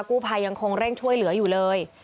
กู้ภัยยังคงเร่งช่วยเหลืออยู่เลย